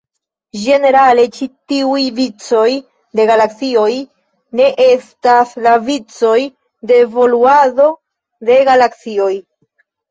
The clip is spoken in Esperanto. Ĝenerale ĉi tiuj vicoj de galaksioj "ne" estas la vicoj de evoluado de galaksioj.